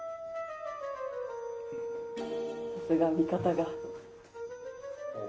さすが見方が。